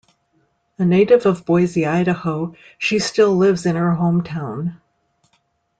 A native of Boise, Idaho, she still lives in her hometown.